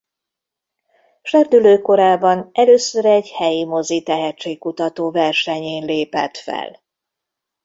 Serdülő korában először egy helyi mozi tehetségkutató versenyén lépett fel.